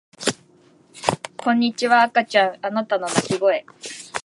こんにちは赤ちゃんあなたの泣き声